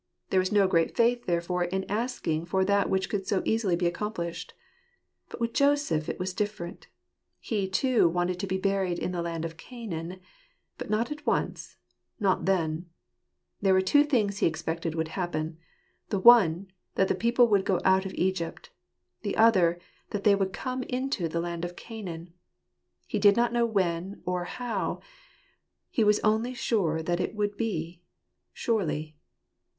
There was no great faith therefore in asking for that which could so easily be accomplished. But with Joseph it was different He too wanted to be buried in the land of Canaan ; but not at once— not then ! There were two things he expected would happen : the one, that the people would go out of Egypt; the other, that they would come into the land of Canaan. He did not know when or how ; he was only sure that so it would be : "surely."